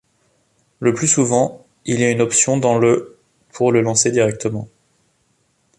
Le plus souvent, il y a une option dans le pour le lancer directement.